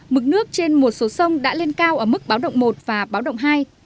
mực nước trên một số sông đã lên cao ở mức báo động một và báo động hai